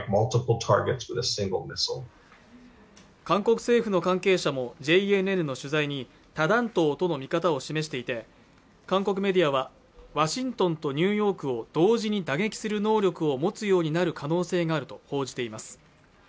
韓国政府の関係者もＪＮＮの取材に多弾頭との見方を示していて韓国メディアはワシントンとニューヨークを同時に打撃する能力を持つようになる可能性があると報じています